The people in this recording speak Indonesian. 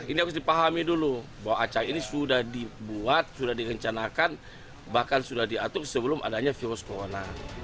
ini harus dipahami dulu bahwa acara ini sudah dibuat sudah direncanakan bahkan sudah diatur sebelum adanya virus corona